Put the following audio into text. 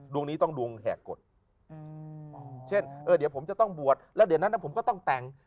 ดวงนี้ต้องดวงแหกกฎเช่นเดี๋ยวผมจะต้องบวชแล้วเดี๋ยวนั้นผมก็ต้องแต่ง